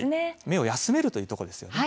目を休めるというとこです。